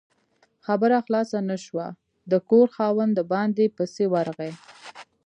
خبره خلاصه نه شوه، د کور خاوند د باندې پسې ورغی